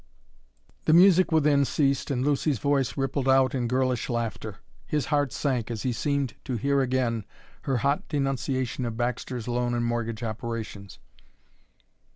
The music within ceased and Lucy's voice rippled out in girlish laughter. His heart sank as he seemed to hear again her hot denunciation of Baxter's loan and mortgage operations.